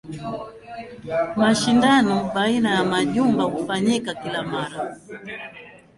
Mashindano baina ya majumba hufanyika kila mara.